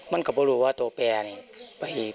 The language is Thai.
มันก็ไม่รู้ว่าตัวเปลี่ยนนี้